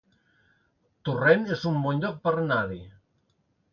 Torrent es un bon lloc per anar-hi